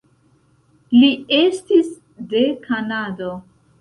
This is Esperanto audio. Li estis de Kanado.